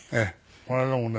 この間もね